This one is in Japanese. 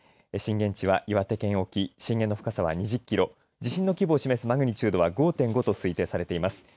震源地は岩手県沖震源の深さは２０キロ地震の規模を示すマグニチュードは５．５と推定されています。